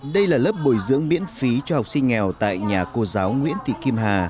đây là lớp bồi dưỡng miễn phí cho học sinh nghèo tại nhà cô giáo nguyễn thị kim hà